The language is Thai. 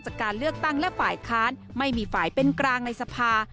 จากการเลือกตั้งและฝ่ายค้านไม่มีฝ่ายเป็นกลางในสภา